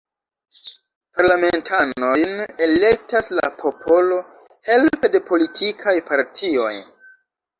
Parlamentanojn elektas la popolo helpe de politikaj partioj.